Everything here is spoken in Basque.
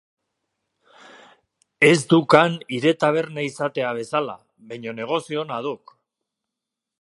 Ez duk han hire taberna izatea bezala, baina negozio ona duk.